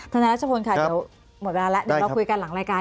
นายรัชพลค่ะเดี๋ยวหมดเวลาแล้วเดี๋ยวเราคุยกันหลังรายการ